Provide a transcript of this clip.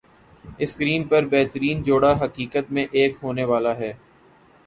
screen پر بہترین جوڑا حقیقت میں ایک ہونے والا ہے